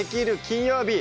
金曜日」